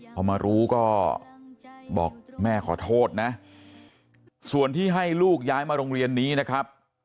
พอมารู้ก็บอกแม่ขอโทษนะส่วนที่ให้ลูกย้ายมาโรงเรียนนี้นะครับ